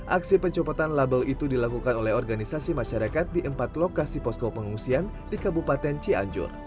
aksi pencopotan label itu dilakukan oleh organisasi masyarakat di empat lokasi posko pengungsian di kabupaten cianjur